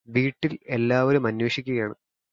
വീട്ടിലെല്ലാവരും അന്വേഷിക്കുകയാണ്